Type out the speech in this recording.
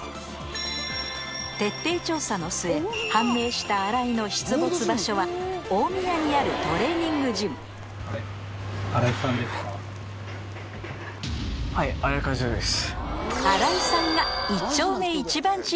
徹底調査の末判明した新井の出没場所は大宮にあるトレーニングジムはい新井和響です